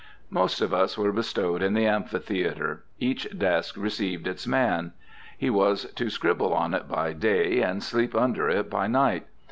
Most of us were bestowed in the amphitheatre. Each desk received its man. He was to scribble on it by day, and sleep under it by night.